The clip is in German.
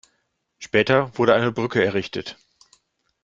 Später wurde eine Brücke errichtet.